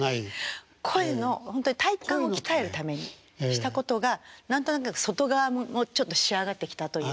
声のほんとに体幹を鍛えるためにしたことが何となく外側もちょっと仕上がってきたという。